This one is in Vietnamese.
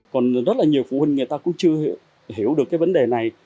còn rất là nhiều phụ huynh người ta cũng chưa hiểu được cái vấn đề này